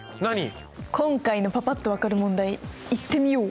今回のパパっと分かる問題いってみよう。